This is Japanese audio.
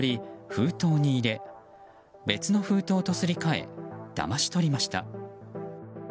封筒に入れ別の封筒とすり替えだまし取りました。